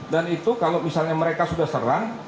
dan itu kalau misalnya mereka sudah serang